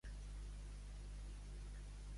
Com diu que operen molts països europeus?